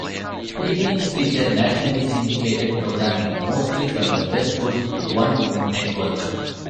Evenings feature nationally syndicated programming, mostly from the Westwood One Network.